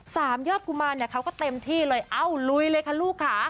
ยอดกุมารเนี่ยเขาก็เต็มที่เลยเอ้าลุยเลยค่ะลูกค่ะ